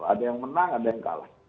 ada yang menang ada yang kalah